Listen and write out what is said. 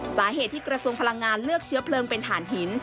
สาเหตุที่กระทรวงพลังงานเลือกเชื้อเพลิงเป็นฐานหิน